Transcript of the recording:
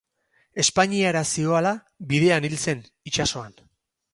Espainiara zihoala bidean hil zen itsasoan.